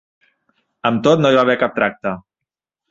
Amb tot, no hi va haver cap tracte.